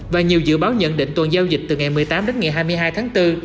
và nhiều dự báo nhận định tuần giao dịch từ ngày một mươi tám đến ngày hai mươi hai tháng bốn